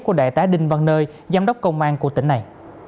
của đại tá đinh văn nơi giám đốc công an của tỉnh này